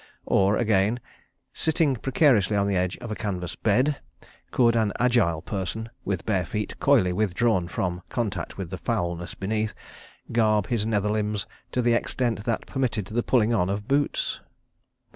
Or again: Sitting precariously on the edge of a canvas bed, could an agile person, with bare feet coyly withdrawn from contact with the foulness beneath, garb his nether limbs to the extent that permitted the pulling on of boots?